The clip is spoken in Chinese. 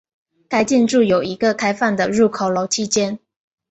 该建筑有一个开放的入口楼梯间。